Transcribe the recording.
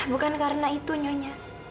bukan karena itu nyonya